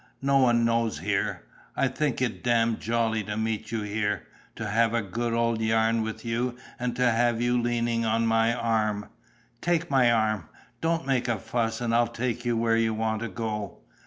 No one knows here. I think it damned jolly to meet you here, to have a good old yarn with you and to have you leaning on my arm. Take my arm. Don't make a fuss and I'll take you where you want to go.